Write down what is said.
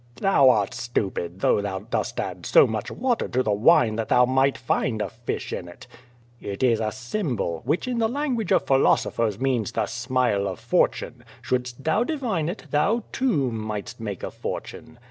"Thou art stupid, though thou dost add so much water to the Avine that one might find a fish in it. It is a symbol, which in the language of philosophers means 'the smile of fortune.' Shouldst thou divine it, thou, too, mightst make a fortune.